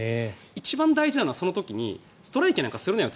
一番大事なのはその時にストライキなんかするなよ